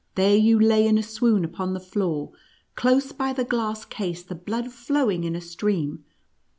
There you lay in a swoon upon the floor, close hy the glass case, the blood flowing in a stream.